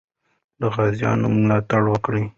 د غازیانو ملا وتړه.